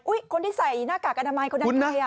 คนที่ใส่หน้ากากอนามัยคนนั้นใครอ่ะ